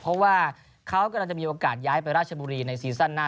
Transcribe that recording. เพราะว่าเขากำลังจะมีโอกาสย้ายไปราชบุรีในซีซั่นหน้า